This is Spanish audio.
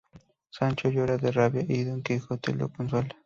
Sancho llora de rabia y don Quijote lo consuela.